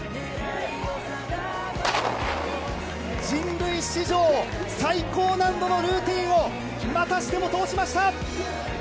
人類史上最高難度のルーティンをまたしても通しました！